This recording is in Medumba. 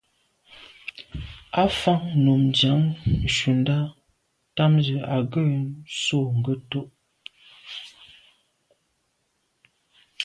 Á fáŋ nùm dìǎŋ ncúndá támzə̄ à ŋgə̂ sû ŋgə́tú’.